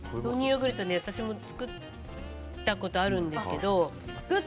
豆乳ヨーグルトは私も造ったことあるんですけれど。